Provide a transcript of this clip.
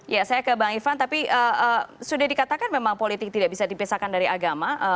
ya saya ke bang ivan tapi sudah dikatakan memang politik tidak bisa dipisahkan dari agama